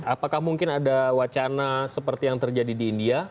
apakah mungkin ada wacana seperti yang terjadi di india